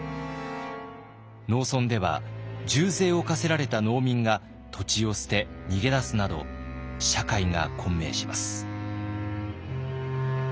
農村では重税を課せられた農民が土地を捨て逃げ出すなど社会が混迷します。